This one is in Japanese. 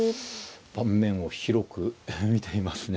盤面を広く見ていますね。